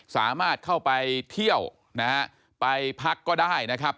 สามารถเข้าไปเที่ยวนะฮะไปพักก็ได้นะครับ